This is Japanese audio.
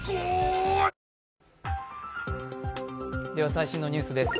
最新のニュースです。